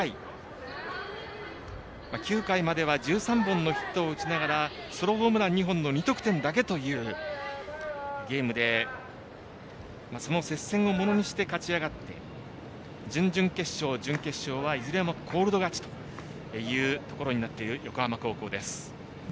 延長１０回、９回までは１３本のヒットを打ちながらソロホームラン２本の２得点だけというゲームでその接戦をものにして勝ち上がって準々決勝、準決勝はいずれもコールド勝ちとなっている横浜。